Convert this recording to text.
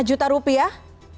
satu lima juta rupiah